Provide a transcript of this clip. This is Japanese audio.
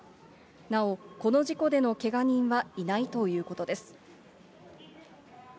なお、この事故でのけが人はいないということです。